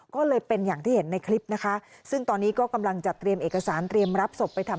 ขอบคุณครับ